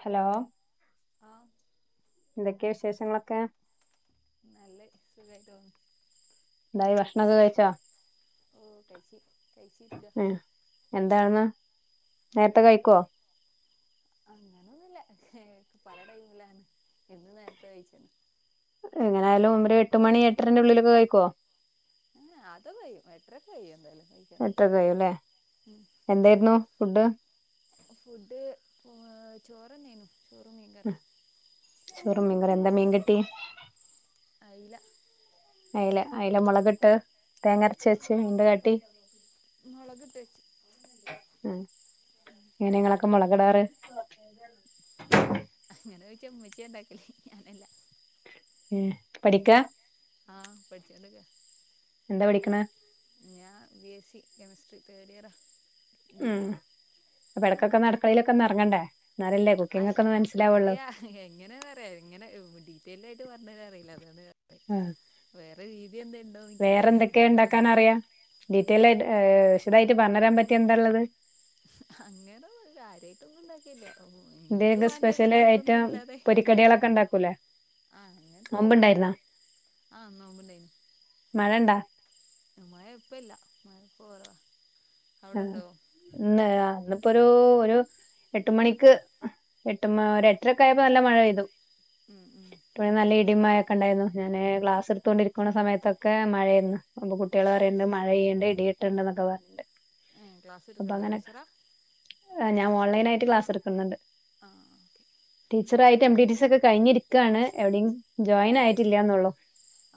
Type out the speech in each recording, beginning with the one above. Hello ആഹ് ന്തെക്കേ വിശേഷങ്ങളൊക്കേ നല്ലഅ് സുഖായിട്ട് പോവുന്നു എന്തായി ഭക്ഷണൊക്ക കഴിച്ചോ ഓ കഴിച്ച് കഴിച്ചിരിക്ക ഏഹ് എന്താർന്ന് നേരത്തെ കഴിക്കുവോ [inaudible] എങ്ങനായാലും ഒരെട്ട് മണി എട്ടരെന്റെ ഉള്ളിലൊക്കെ കഴിക്കുവോ ആ അത് കഴിയും എട്ടരയ്ക്ക് കഴിയും എന്തായാലും കഴിക്കാൻ എട്ടൊക്കെകഴിയുല്ലേ എന്തായിരുന്നു ഫുഡ് ഫുഡ് ഏഹ് ചോറ് തന്നെയാരുന്നു ഉം ചോറും മീൻകറിം എന്താ മീൻ കിട്ടിയെ അയല അയല അയല മുളകിട്ട് തേങ്ങ അരച്ച് വെച്ചെ മുളകിട്ട് വെച്ച് [unintelligible] ആ ഇയിന് നിങ്ങളൊക്കെ മുളകാടാറ് [inaudible] അങ്ങനെ ചോയിച്ച ഉമ്മച്ചിയ ഉണ്ടാക്കല് ഞാനല്ല ഉം പഠിക്ക ആഹ് പഠിച്ചോണ്ടിരിക്ക എന്താ പഠിക്കണെ ഞാൻ B S C chemistry third ഇയറാ ഡിഗ്രി അപ്പ ഇടക്കൊക്കെ അങ്ങടുക്കളയിലൊക്കെന്നിറങ്ങണ്ടേ അല്ല അറിയ എങ്ങനെ പറയാ ഇങ്ങനെ ഡീറ്റെൽ ആ [unintelligible] പറഞ്ഞ് തരാനറിയില്ല അതാണ് ആ വേറെ രീതി എന്ത ഉണ്ടോന്ന് എനിക്കറിയില്ല വേറെന്തൊക്കെയാ അങ്ങനെ ഉണ്ടാക്കാൻ പറഞ്ഞ് അറിയാം ഡീറ്റെൽ ആയിട്ട് ഏ വിശദായിട്ട് പറഞ്ഞു തരാൻ പറ്റി എന്താള്ളത് അങ്ങനെ കാര്യ എന്താ ഇന്ന് സ്പെഷ്യല് ഉണ്ടാക്കൊന്നും ഐറ്റം ഇല്ലാതെ പൊരിക്കടികളൊക്കെ ഉണ്ടാക്കൂലേ ആ അങ്ങനത്തെ ഒന്നും നോമ്പുണ്ടായിരുന്നോ [inaudible] ആ നോമ്പുണ്ടാരുന്നു മഴണ്ടാ മഴ ഇപ്പല്ല മഴ ഇപ്പ കുറവ ആ ഒരു ഒരു എട്ട് മണിക്ക് എട്ട് മ ഒരു എട്ടര ഒക്കെ ആയപ്പ നല്ല മഴ പെയ്തു ഉം ഉം [unintelligible] മഴയൊക്കെണ്ടായിരുന്നു ഞാന് ക്ലാസ് എടുത്തൊണ്ടിരിക്കണ സമയത്തൊക്കെ മഴയാരുന്നു അപ്പൊ കുട്ടികൾ പറയണ്ട് മഴ ഇണ്ട് ഇടിവെട്ടുണ്ടെന്നൊക്കെ പറയണുണ്ട് ഏ ക്ലാസ് അപ്പ എടുക്കണ്ടോ അങ്ങനെ ടീച്ചറാ ഏ ഞാൻ ഓൺലൈൻ ആയിട്ട് ക്ലാസ്സ് എടുക്കുന്നുണ്ട് ആ okay [unintelligible] M B B S ഒക്കെ കഴിഞ്ഞിരിക്കുകയാണ് എവിടെയും ജോയിൻ ആയിട്ടില്ലന്നുള്ളു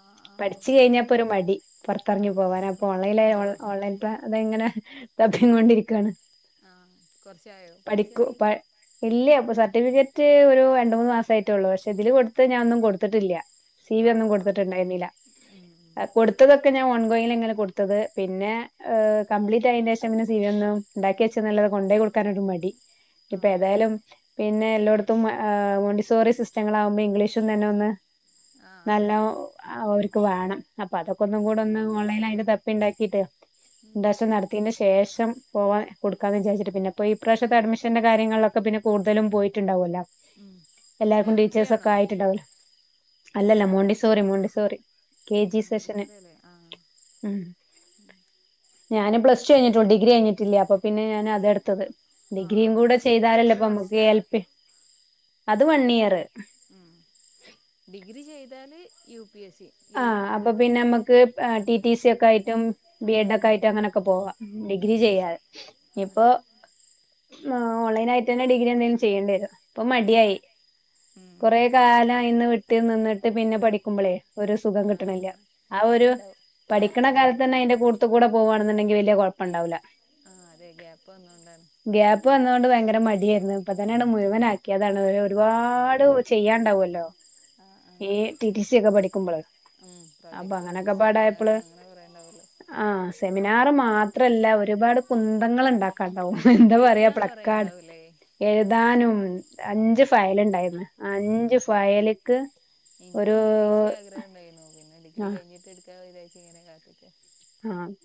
ആ ആ പഠിച്ചു ഓക്കെ ഓക്കെ കഴിഞ്ഞപ്പൊ ഒരു മടി ആ പുറത്തിറങ്ങി പോകാൻംഅപ്പൊ ഓൺലൈന് ഓ ഓൺ ഓൺലൈൻ ട്രാ അതെങ്ങനെ തപ്പി കൊണ്ടിരിക്കയാണ് ആ കുറച്ചായോ പഠിക്കൂ പ പഠിച്ചിറങ്ങിയിട്ട് ഇല്ലേ അപ്പൊ സ എഴുതിയിട്ട് ഒരു രണ്ട് മൂന്ന് മാസം ആയ്യിട്ടുള്ളൂ പക്ഷെ ഇതില് കൊടുത്ത് ഞാനൊന്നും കൊടുത്തിട്ടില്ല സീവി ആ ഒന്നും ആ കൊടുത്തിട്ടുണ്ടായിരുന്നില്ല ഉം ഉം കൊടുത്തതൊക്കെ ഞാൻ ഓൺ [unintelligible] ഇങ്ങനെ കൊടുത്തത് പിന്നെ ഏ കപ്ലീറ്റ് കഴിഞ്ഞ ശേഷം പിന്നെ സീവി ഒന്നും ഐണ്ടാക്കി വെച്ചന്നല്ലതെ കൊണ്ടോയി കൊടുക്കാനൊരു മടി ആ ഇപ്പൊ ഏതായാലും അതെ പിന്നെ എല്ലായിടത്തും മ ഏ മോണ്ടിസോറി സിസ്റ്റങ്ങളൾ ആകുമ്പോ ഇംഗ്ലീഷന്ന് തന്നെ ഒന്ന് ആ ആ നല്ല ഒ ആ ഒരു വേണം അപ്പൊ അതൊക്കെ ഒന്നും കൂടെ ഒന്ന് ഓൺലൈൽ ആയിട്ട് തപ്പി ഉണ്ടാക്കിട്ട് ഉം [unintelligible] ന് ശേഷം പോവാ കൊടുക്കാന്ന് വിചാച്ചിട്ട് പിന്നെപ്പൊ ഈ എൽ പ്രാവശ്യത്തെ അഡ്മിഷന്റെ കാര്യങ്ങളിലൊക്കെ ഇപ്പൊ പിന്നെ കൂടുതലും പോയിട്ടുണ്ടാവല്ലോ ഉം എല്ലാവർക്കും എൽ പി ടീച്ചേഴ്സ ഒക്കെ ആണോ ആയിട്ടുണ്ടാവുലോ അല്ലല്ല മോണ്ടി സോറി മോണ്ടി സോറി കെ ഉം ജി സെഷന് മോണ്ടിസോറി അല്ലേ ആ ഉം ഞാനും പ്ലസ് ഡിഗ്രീ കഴഞ്ഞിട്ടില്ല അപ്പൊ പിന്നെ ഞാൻ അതെടുത്തത് ആ ആ ഡിഗ്രിയും കൂടെ അത് ചെയ്താലല്ലേ ഇത്ര ഇപ്പ വർഷ നമ്മുക്ക് എൽ പി അത് വൺ ഇയറ് താല് യു പി എസ് സി ആ യു പി അപ്പൊ കിട്ടും പിന്നെ നമുക്ക് ടി ടി സി ഒക്കെ ആയിട്ടും ബി ഉം എഡ ഒക്കെ ആയിട്ട് അങ്ങനൊക്കെ പോവാാം ഉം ഉം ഡിഗ്രി ഉം ചെയ്യാെ ആ ഇപ്പൊ അതെ ആ ഓൺലൈ ആയിട്ട്ന്നെ ഡിഗ്രി എന്തേലും ചെയ്യണ്ട വരോ ഇപ്പൊ ഉം മടിയായി ഉം കൊറേ കാലം അന്ന് വിട്ട് നിന്നിട്ട് പിന്നെ പഠിക്കുമ്പോളേ ഒരു സുഖം ആ കിട്ടണില്ല ആ ഒരു അതുണ്ടാവും ഗ്യാപ്പ് പഠിക്കണ കാലത്ത് തന്നെ വന്നോണ്ടാണ് അതിന്റെ കൂടുത്ത കൂടെ പോുകവാണെന്നുണ്ടെങ്കിൽ അ വ ആ അതെ ഗ്യാപ്പ് വന്നോണ്ടാണ് അ മടിയായിരുന്നു അപ്പൊതന്നെയാണ് മുഴുവന ആാക്കി അതാണ് അവ ഒരുപാട് ചെയ്യാണ്ടാാവുമല്ലോ ആ ആ ഈ ടി ടി സി ഒക്കെ പഠിക്കുമ്പോള ഉം പ്രൊജക്ടും സെമിനാറും അങ്ങനെ പറയണ്ടാവല്ലോ ആ സെമിനാർ മാത്രല്ല ഒരുപാട് കുന്തങ്ങൾ ഉണ്ടാക്കും ണ്ട എന്താ പറയാ എഴുതാൻ കുറേ പ്ലക്കാട് ഉണ്ടാവൂലേ എഴുതാനും ഉ അഞ്ച് ഫയല ഉണ്ടായിരുന്നു അഞ്ച് ഫയലക്ക് എനിക്കും ഡി ടി സി ആഗ്രഹം ഉണ്ടായിരുന്നു പിന്നെ ഡിഗ്രി ആ കഴിഞ്ഞിട്ട് എടുക്കാ വിതാച്ച ഇങ്ങനെ കാത്തിട്ട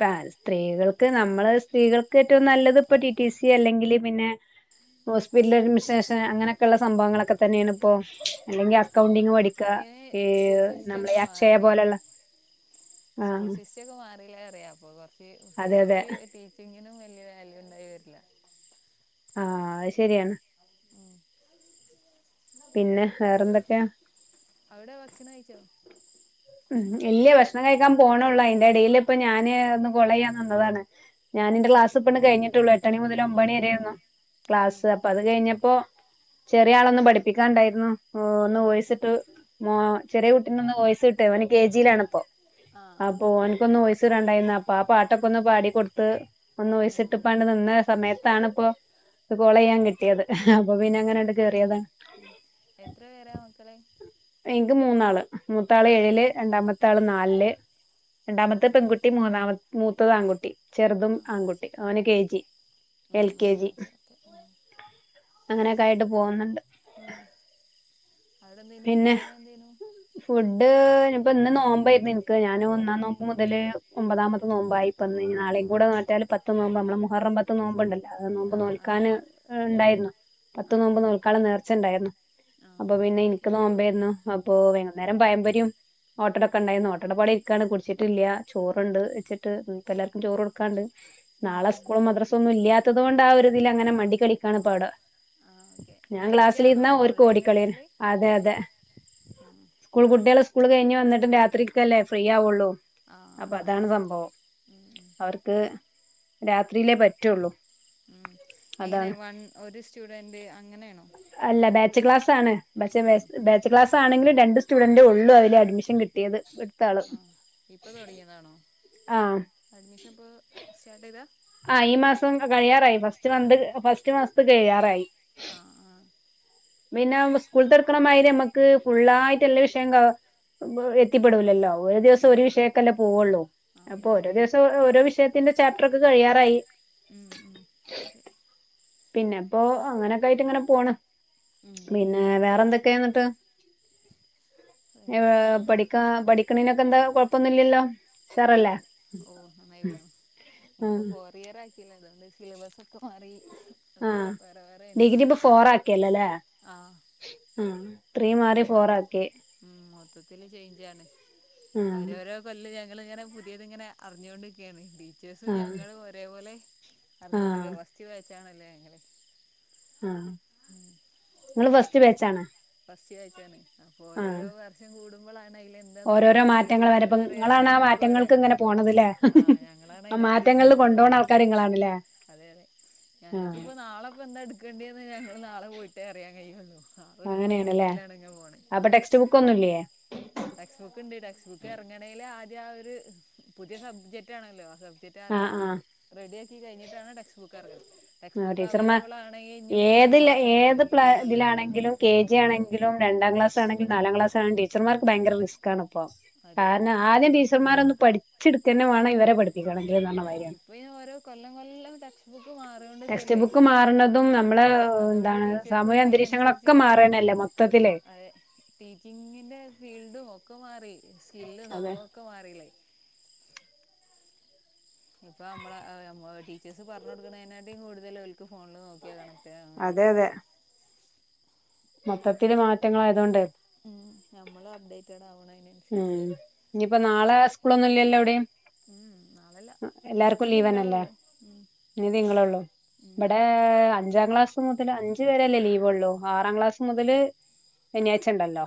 ആ സ്ത്രീകൾക്ക് നമ്മള് സ്ത്രീകൾക്ക് ഏറ്റവും നല്ലത് ഇപ്പ ടിടി സി അല്ലെങ്കിൽ പിന്നെ [inaudible] ഹോസ്പിറ്റൽ അഡ്മിനിസ്ട്രേഷൻ അങ്ങനെയൊക്കെയുള്ള സംഭവങ്ങളൊക്കെ തന്നെയാണ് ഇപ്പോൊ ഉം അല്ലെങ്കിൽ അക്കൗണ്ടിംഗ വ അയിന് സ്കൂൾ സിസ്റ്റം നമ്മളെ ഒക്കെ അക്ഷയ മാറിയില്ലേ പോലുള്ള ആ അറിയ അപ്പൊ കുറച്ച് ഫ്യൂച്ചറി ടീച്ചിങ്ങിനും വല്ിയ വാല്യൂ ഉണ്ടായി വരില്ല ആഹ അ ശരിയാണ് പിന്നെ വേറെന്തൊക്കെയാ അവിടെ ഭക്ഷണം കഴിച്ചോ ഉം ഇല്ലയേ ഭക്ഷണം കഴിക്കാൻ പോണള്ളൂ അതിന്റെ ഇടൽ ഇപ്പൊ ഞാന് ഒന്ന് കൊള ചെയ്യാൻ നന്നതാണ് ഉം ഞാൻന്റെ ക്ലാസ് പെണ് കഴിഞ്ഞിട്ടുള്ളൂ എട്ടണി മുതൽ ഒമ്പണിരായിന്നോ ഉം ക്ലാസ്സ് അപ്പൊ അത് കഴിഞ്ഞപ്പോ ചെറിയ ആളൊന്നും പഠിപ്പിക്കാണ്ടായിരുന്നു ഓ ഒന്ന് ഉം വോയിസിിട്ട് മ ചെറിയ കുട്ടീ ഒന്ന് വോയിസ് കട്ടേ അവന് കെ ജിയിലാണിപ്പോൊ ആ ആ അപ്പൊ എനിക്കൊന്ന് പോ മണ്ടായിന്ന അപ്പൊ ആ പാട്ടൊക്കെ ഒന്ന് പാട കൊടുത്ത് ഒന്ന് ഉം ഴിച്ചിട്ട് ഉം പാണ്ട് നിന്ന സമയത്താണിപ്പോൊ കൊള ചെയ്യാൻ കിട്ടിയത് അപ്പൊ ഉം പിന്നെ അങ്ങനെ എണ്ട് കയറിയതാണ് ഉം എത്ര പേരാ നോക്കളെ എനിക്ക് മൂന്നാള് മൂത്താള് ഏഴില് രണ്ടാമ്പത്ത ആള് നാലില് ആ രണ്ടാമത്തെ പെൺകുട്ടി മൂന്നാമ മൂത്തത് ആൺകുട്ടി ചെറുതും ആ ആൺകുട്ടി അവന് കെ ജി ഉം എൽ കെ ഉം ജി ഓക്കെ ഓക്കെ ഉം അങ്ങനെയൊക്കെ ആയിട്ട് പോകുന്നുണ്ട് ഉം അവിടെ എന്തേനു ഫുഡിന്െ എന്തേനു ഇപ്പോ ഇന്ന് നോമ്പായിരുന്നു എനിക്ക് ഞൻ ഒന്നാം നോമ്പ് മുതല് ഒമ്പതാമത് നോമ്പായി ഇാള കൂടെ നാട്ടാല് പത്ത്ു നോമ്പ് നമ്മള് മുഹറും പത്ത്ു നോമ്പണ്ടല്ലോ അത് നോമ്പ ആ ആ നോക്കാൻ ഉണ്ടായിരുന്നു പത്ത്ു ആ നോമ്പ് ആ നൽക്കാാലം നേർച്ചുണ്ടായിരുന്നു ആ അപ്പൊ പിന്നെ ഓക്കെ ഇനി ഓക്കെ രുന്നു അപ്പൊ വൈകുന്നേരം പയമ്പരം ഓട്ടടൊക്കെ ഉണ്ടായിരുന്നു ഓട്ടയുടെ പാടിരിക്കാണ്ട് കുടിച്ചിട്ടില്ല ചോറണ്ട് വച്ചിട്ട് ഇപ്പ എല്ലാവർക്കും ചോറ് കൊടുക്കാണ്ട് ഉം നാളെ ഉം സ്കൂളും മദ്രസ ഒന്നും ഇല്ലാത്തത് കൊണ്ട് ആ ഒരു ഇതിൽ അങ്ങനെ മണ്ടി കളിക്കാണ് ഇപ്പവി ആ ഓക്കെ ഞാൻ നൈറ്റ് ക്ലാസ്സില ആണോ ഇരുന്ന ഒരു ഓൺലൈൻ കോടിക്കളീൻ എടുക്കല് അതെ അതെ ഉം സ്കൂൾ കുട്ടികളെ സ്കൂള് കഴിഞ്ഞ് വന്നിട്ട് രാത്രിക്കല്ലേ ഫ്രീ ആവുള്ളൂ ആ അപ്പൊ അതെ അതാണ് അതെ സംഭവം ഉം ഉം അവർക്ക് രാത്രിയിലേ പറ്റുള്ളൂ ഉം എങ്ങനെ അതാണ് വൺ ഒരു സ്റ്റുഡന്റ് അങ്ങനെയാണോ അല്ല ബാച്ച് ക്ലാസ് ആണ് പക്ഷേ ആ ബാച്ച് ക്ലാസ് ആണെങ്കിലും രണ്ട് സ്റ്റുഡന്റ് ഉള്ളൂ അതില് അഡ്മിഷൻ കിട്ടും കിട്ടിയത് എടുത്താള ആ ഇപ്പൊ തുടങ്ങിയതാണോ ആഹ് അഡ്മിഷൻ ഇപ്പൾ സ്റ്റാർട്ട് ചെയ്താ ആ ഈ മാസം കഴിയാറായി ഫസ്റ്റ് മന്ത് ഫസ്റ്റ് മാസത്ത് കഴിയാറായി ആഹ ആ പിന്നെ സ്കൂള ന്നടുക്കണമാതിരി നമ്മുക്ക് ഫുുള്ളായിട്ട് എല്ല വിഷയക എത്തിപ്പെടൂലല്ലോ ഒരു ദിവസം ഒരു ഉം വിഷയക്കല്ലേ പോവുള്ളൂ ആ അപ്പൊ അങ്ങനെ ഓരോ പോണു ദിവസം ഓരോ വിഷയത്തിന്റെ ചാപ്റ്റർ അത് കഴിയാറായി ഉം ഉ അതെ പിന്നെപ്പോൊ അങ്ങനെയൊക്കെ ആയിട്ട് ഇങ്ങനെ പോണ് ഉം പിന്നെ വേറെന്തൊ ന്നട്ട് ആ ഹ് വേറെപ്പന്താ പഠിക്ക പേടിക്കണേനൊക്കെ എന്താ കൊഴപ്പൊന്നും ഇല്ലല്ലോ ഏ ഓ നായിോ ഇപ്പ ആഹ് ഫോർ ഇയർ ആക്കില്ലല്ലോ അതുകൊണ്ട് സിലബസ് ഒെ ആഹ ഡിഗ്രി ഇപ്പൊ ഫോറ ആക്കിയല്ലോല്ലേ ആ ഇപ്പ മൊത്ത ഉ മൊത്തത്തില് ചേഞ്ച്ാണ് ആഹ് ഓരോരോ കൊല്ല ഞങ്ങക് ഞങ്ങിങ്ങനെ പുതിയത് ഇങ്ങനെ അറിഞ്ഞുകൊണ്ടിരിക്കുകയാണ് ടീച്ചേഴ്സ് ആഹ് ഞങ്ങളും ഒരേപോലെ ആഹ് അറിഞ്ഞോണ്ടേക്ക ഫസ്റ് ബച്ചാണല്ലോ അങ്ങനെ ആഹ നിങ്ങള് ഫസ്റ്റ് ബേച്ചാണോ ഫസ്റ്റ് ബാച്ചാണ് അപ്പൊ ഓരോരോ വർഷം കൂടുമ്പോളാണഹ് ഓരോരോ മാറ്റങ്ങൾ വരെപ്പ ങ്ങളാണ് ആ ഞങ്ങൾക്കും അറിയാം മാറ്റങ്ങൾക്ക് ങ്ങനെ പോണതല്ലേ ആഹ് ഞങ്ങളാണ് ആ അതിനനുസരിച്ച് മാറ്റങ്ങൾ കൊണ്ടോ ണ പോകുന്നത് ആൾക്കാര്ങ്ങളാണല്ലേ അതെ അതെ ഞങ്ങൾക്കിപ്പോ നാളെ ഇപ്പ എന്താ എടുക്കേണ്ടന്ന് ഞങ്ങള്ൾ നാളെ പോയിട്ടേ അറിയാൻ കഴിയുള്ളൂ ആ ഒരു അങ്ങനെയാണല്ലേ മൈൻഡിലാണ് ഇങ്ങനെ പോണേ അപ്പൊ ഉം ടെക്സ്റ്റ് ബുക്ക് ഒന്നുംല്ലയേ ടെക്സ്റ്റ് ബുക്ക് ഉണ്ട് ടെക്സ്റ്റ് ബുക്ക് ഇറങ്ങണമെങ്കിൽ ആദ്യ ആ ഒരു പുതിയ സബ്ജക്റ്റ് ആണല്ലോ ആ സബ ട്ട ആദ്യം ആഹ് റെഡി ആക്കി കഴിഞ്ഞിട്ടാണ് ടെക്സ്റ്റ് ബുക്ക് എർ ങ്ങ്ണത്. ടെക്സ്റ്റ് ബുക്ക് അവൈലബിൾ ആണെങ്കി ഇനിം മൂ അത് ല്ലേ ഏത് പ്ലെ തിലാണെങ്കിലും കെ ജി ആണെങ്കിലും രണ്ടാം ക്ലാസ് ആണെങ്കിലും നാലാം ക്ലാസ്സാണെങ്കിലും ടീച്ചമാർക് ഭയങ്കര റിസ്കാണ്പ്പോ. അതെ കാരണം ആദ്യം ടീച്ചറമ്മാരോന്നു പഠിച്ചെടുക്കന്നേ വാണം ഇവരെ പഠിപ്പിക്ക അതെ ഇപ്പൊ ഇ ഓരോ കൊല്ലം കൊല്ലം ടെക്സ്റ്റ് ബുക്ക് മാ ടെക്സ്റ്റ് ബുക്ക് മാറുന്നതും നമ്മള് അതുകൊണ്ട് എന്താണ് ടീച്ചേഴ്സ് സാമൂഹ്യ അന്തരീക്ഷങ്ങളൊക്കെ അതിനനുസരിച്ച് മാറണല്ലേ മൊത്തത്തിൽ അതെ ടീച്ചിങ്ങിന്റെ ഫീൽഡും ഒക്കെ മാറി സ്കില്ല് അതെ സംഭവം ഒക്കെ മാറില്ലേ ഇപ്പം നമ്മള മ്മള് ടീച്ചേഴ്സ് പറഞ്ഞ കൊടുക്കുന്നതിനായിട്ടേും കൂടുതൽവക്ക് ഫോണിൽ നോക്കിയാ കാണ അതെ അതെ മൊത്തത്തില് മാറ്റങ്ങളായതൊണ്ട് ഉം ഞമ്മള് അപ്ഡേറ്റഡ് ആവണ ഉം ഇനിയിപ്പോ നാളെ സ്കൂളൊന്നും ഇല്ലല്ലോ എവിടെയും ഉം നാളല്ല ഇനിയിപ്പോ എല്ലാർക്കും തിങ്കളേ ലീവന്നല്ലേ ഉള്ളു ഉം, ഇനി തിങ്കളൊള്ളൂ. ഉം. ബെടേ അഞ്ചാം ക്ലാസ് അഞ്ചു വരെല്ലേ ലീവ്ള്ളൂ ആറാം ക്ലാസ് മുതല് ശനിയാഴ്ച ണ്ടല്ലോ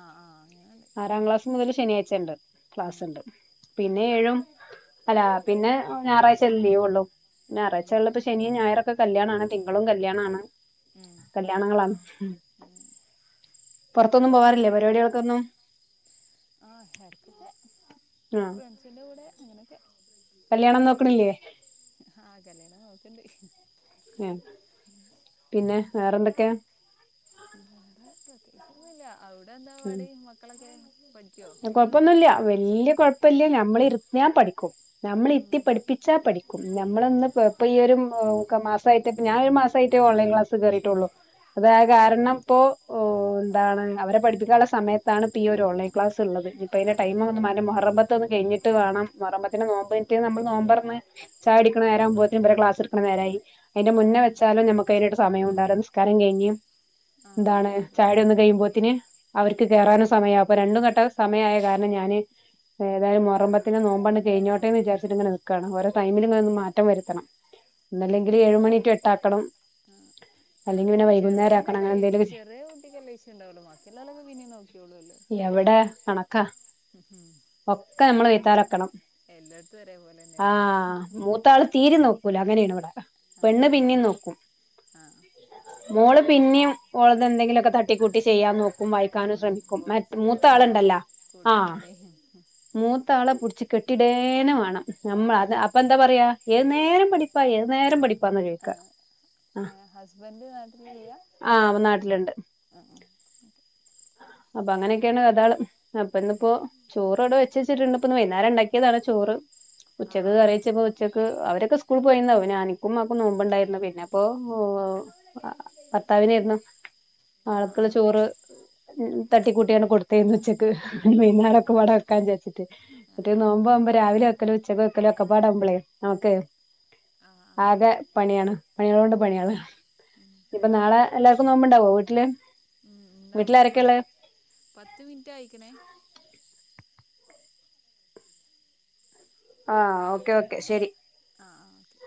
ആഹ് ആഹ് അങ്ങനെണ്ട് ആറാം ക്ലാസ് മുതൽ ശനിയാഴ്ചയ ണ്ട് ഉം, ക്ലാസ്ണ്ട്. ഉം, പിന്നെ ഏഴും അല്ല പിന്നെ ഞായറാഴ്ച ലീവ ഉള്ളു ഉം, ഞായറാഴ്ച ള്ളപ്പ ശനിയും ഞായറൊക്കെ കല്യാണാണ് തിങ്കളും കല്യാണാണ് ഉം, കല്യാണങ്ങളാണ്. ഉം. പൊർത്തൊന്നും പോവാറില്ലേ പരിപാടികൾക്കൊന്നും ആഹ എട്ക്കൊക്കെ ആ ഫ്രണ്ട്സിന്റെ കൂടെ അങ്ങനെയൊക്കെ കല്യാണം നോക്കണില്ലേ ആഹ കല്യാണം നോക്ക്ണ്ട്. പിന്നെ വേറെന്തൊക്കെയാ ന്നൂല്യ അവിടെ എന്താ ഉം പാട് മക്കളൊക്കെ പ കൊഴപ്പൊന്നുല്ല വല്യ കൊഴപ്പല്യ ന മ്മൾ ഇര്ന്നാ പഠിക്കും. നമ്മള ഇത്തി ഉം, പഠിപ്പിച്ചാ പഠിക്കും നമ്മളൊന്ന് ഇപ്പൊ ഈ ഒരു ക മാസായിട്ട ഞാൻ ഒരു മാസായിട്ടേ ഓൺലൈൻ ക്ലാസ് കേറീട്ടുള്ളൂ അത ആ കാരണം ഇപ്പോ ഓ എന്താണ് അവരെ പഠിപ്പിക്കാനുള്ള സമയത്താണ് ഇപ്പ ഈ ഒരു ഓൺലൈൻ ക്ലാസ്. ള്ളത് ഇപ്പ അന്റെ അതെ ടൈം അതെ മോഹറം പത്ത് ഒന്ന് കഴിഞ്ഞ്ട്ട് വാണം മോറം പിന്നെ നോമ്പോറ്റ് നമ്മള് നോമ്പർന്ന് ചായ കുടിക്കണ നേരാ മ്പോത്തിന് ഇവരാ ക്ലാസ് എടുക്കുന്ന നേരായി. അയിന്റെ ആ മുന്നേ വെച്ചാലും നമുക്ക് അതിനട്ട് സമയം ഉണ്ടാവില്ല നിസ്കാരം കഴിഞ്ഞ് ആ എന്താണ് അതെ അതെ ചായകുടി ഒന്ന് കഴിയുമ്പോത്തന് അവർക്ക് ഉം, കേറാനോ സമയാവും അപ്പൊ രണ്ടും കെട്ട സമയമായ കാരണം ഞാന് ഏതായാലും മുറമ്പത്തിനെ നോമ്പണ് കഴിഞ്ഞോട്ടെ എന്ന് വിചാരിച്ചിട്ട ഇങ്ങെ നിൽക്കാണ് ഓരെ ടൈമിൽ ആ ഇങ്ങന ഒന്ന് മാറ്റം വരുത്തണം ഉം, ഒന്നല്ലെങ്കിൽ ഏഴുമണിറ്റു എട്ടാക്കണം. അല്ലെങ്കിൽ പിന്നെ ചെറിയ വൈകുന്നേരം ആക്കണം തന്നെല്ലേ അങ്ങനെ എന്തേലും ചെറിയ കുട്ടിക്കല്ലേ വിഷയം ഉണ്ടാവല്ലോ ബാക്കി എവിടെ കണക്കാ ഒക്കെ അമ്മളെ വയ്‌തലെത്തണം. എല്ലായിടത്തും ഒരേ പോലെന്നെല്ലേ ല അങ്ങനെയാണ് ഇവിടെ പെണ്ണ് പിന്നിം നോക്കും. ആ മോള് പിന്നെയും ഓളത് എന്തെങ്കിലൊക്കെ തട്ടിക്കൂട്ടി ചെയ്യാൻ നോക്കും വ യിക്കാൻ ശ്രെമിക്കും ക്കും മൂത്ത ബോയ്സിനാണല്ലോ ആളുണ്ടല്ലോ ആ കൂട്ടാൻ പണി മൂത്ത ആളെ പു കെട്ടിടേന വേണം നമ്മൾ ഉം. അപ്പൊ എന്താ പറയാ ഏത് നേരം പഠിപ്പാ ഏത് നേരം പഠപ്പ ആ ഹസ്ബൻഡ് നാട്ടില് ചെയ്യാം ആ ആ നാട്ടിലുണ്ട് അപ്പൊ അങ്ങനെയൊക്കെയാണ് കഥ കൾ അപ്പ ഉം. ഇന്നിപ്പോ ചോറോടെ വെച്ച വെച്ച് വെച്ചിട്ടുണ്ട് വൈകുന്നരം ഉണ്ടാക്കിയതാണ് ചോറ് ആ ഉച്ചക്ക് ആ കറി വെച്ചപ്പോ ഉച്ചക്ക് അവരൊക്കെ സ്കൂളി പോയിന്നവ പിന്നെ എനിക്കും ഉമ്മാക്കും നോമ്പുണ്ടായിരുന്നു പിന്നെ അപ്പോ ആ ഭർത്താവിനെയിരുന്നു ആ ആ ആൾക്കുള്ള ചോറ് തട്ടിക്കൂട്ടിയാക്കെ കൊടുത്തേരുന്ന് ഉച്ചക്ക് പിന്നാടെ ഉം. ഒക്കെപാടെ വക്കാന്ന് വിചാരിച്ചിട്ട് മറ്റേ അതെ അതെ നോമ്പാ മ്പ രാവിലെ വെക്കല് ഉച്ചക്ക് വെക്കലോ ഒക്കെ പാടാവുമ്പോളെ നമുക്കേ ആ ആ ആകെ പണിയാണ് പണികളൊണ്ട് ഉം, പണിയാണ് ഉം. ഇനിപ്പോ നാളെ എല്ലാർക്കും നോമ്പണ്ടാവോ വീട്ടില് ഉം, എന്താ വീട്ടിലാരക്ക പത്ത് പത്ത് മിനിറ്റായ്ക്കണേ ആഹ് ഓക്കെ ഓക്കെ ശെരി ആ ആ ഓക്കെ